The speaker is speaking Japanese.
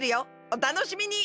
おたのしみに。